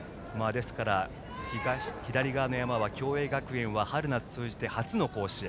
左側の山の共栄学園は春夏通じて初の甲子園。